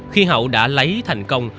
khi hậu đã lấy thành công